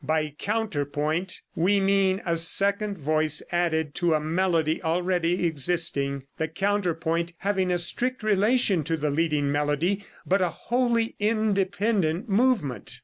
By "counterpoint" we mean a second voice added to a melody already existing, the counterpoint having a strict relation to the leading melody, but a wholly independent movement.